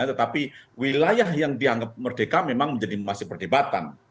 tetapi wilayah yang dianggap merdeka memang masih menjadi perdebatan